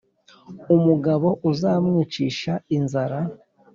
umugabo uzamwicisha inzara.